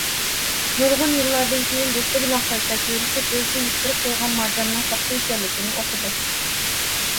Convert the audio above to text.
نۇرغۇن يىللاردىن كېيىن دوستى بىلەن قايتا كۆرۈشۈپ ئۆزى يىتتۈرۈپ قويغان مارجاننىڭ ساختا ئىكەنلىكىنى ئۇقىدۇ.